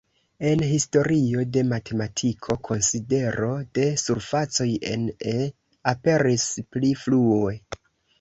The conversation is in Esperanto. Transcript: En historio de matematiko konsidero de surfacoj en E" aperis pli frue.